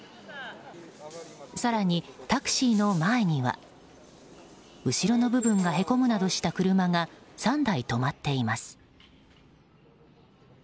更にタクシーの前には後ろの部分がへこむなどした車が３台止まっています。